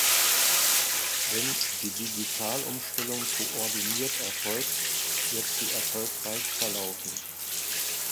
Wenn die Digitalumstellung koordiniert erfolgt, wird sie erfolgreich verlaufen.